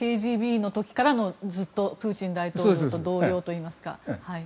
ＫＧＢの時からのずっとプーチン大統領と同僚といいますか。